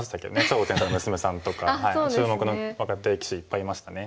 張栩さんの娘さんとか注目の若手棋士いっぱいいましたね。